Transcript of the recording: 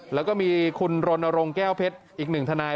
แล้วก็มีคุณรนนโรงแก้วเพชรอีก๑ทนาย